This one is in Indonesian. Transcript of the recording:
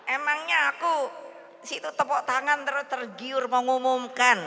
emangnya aku situ tepuk tangan terus tergiur mengumumkan